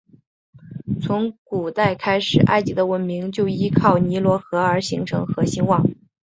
从古代开始埃及的文明就依靠尼罗河而形成和兴旺。